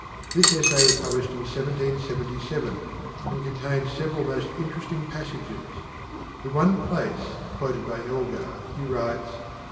This essay was published in 1777, and contains several most interesting passages. In one place, quoted by Elgar, he writes